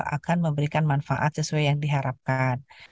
akan memberikan manfaat sesuai yang diharapkan